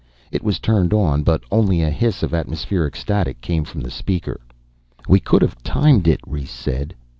It was turned on, but only a hiss of atmospheric static came from the speaker. "We could have timed it " Rhes said.